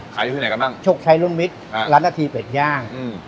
ขายอยู่ที่ไหนกันบ้างโชคชัยรุ่งมิตรร้านนาทีเป็ดย่างอืม